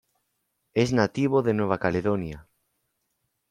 Es nativo de Nueva Caledonia.